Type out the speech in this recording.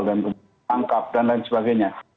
dan ditangkap dan lain sebagainya